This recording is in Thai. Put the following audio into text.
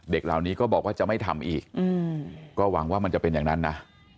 เหล่านี้ก็บอกว่าจะไม่ทำอีกก็หวังว่ามันจะเป็นอย่างนั้นนะ